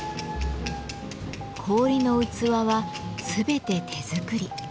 氷の器は全て手作り。